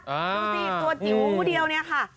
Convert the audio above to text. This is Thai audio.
ดูสิตัวจิ๋วเดียวเนี่ยค่ะ